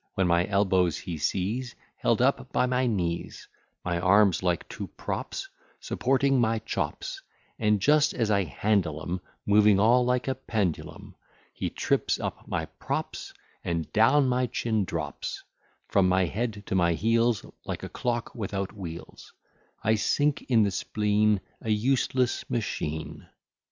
When my elbows he sees Held up by my knees, My arms, like two props, Supporting my chops, And just as I handle 'em Moving all like a pendulum; He trips up my props, And down my chin drops From my head to my heels, Like a clock without wheels; I sink in the spleen, A useless machine.